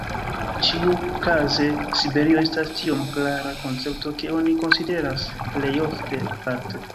Ĉiukaze Siberio estas tiom klara koncepto ke oni konsideras plej ofte aparte.